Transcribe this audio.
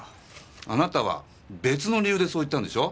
あなたは別の理由でそう言ったんでしょ？